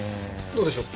どうでしょう？